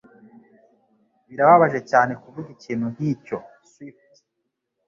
Birababaje cyane kuvuga ikintu nkicyo. (Swift)